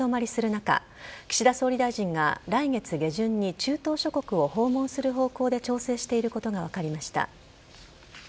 中岸田総理大臣が来月下旬に中東諸国を訪問する方向で調整していることが分かりました。